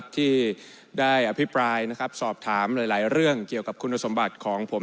ที่ได้อภิปรายสอบถามหลายเรื่องเกี่ยวกับคุณสมบัติของผม